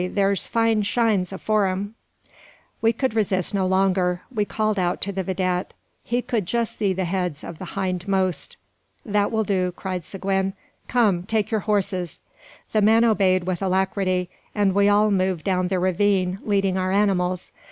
thar's fine shines afore them." We could resist no longer. We called out to the vidette. He could just see the heads of the hindmost. "That will do," cried Seguin; "come, take your horses!" The men obeyed with alacrity, and we all moved down the ravine, leading our animals.